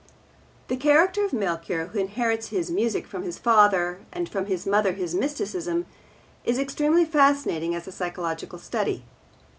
The character of Melchior, who inherits his music from his father, and from his mother his mysticism, is extremely fascinating as a psychological study.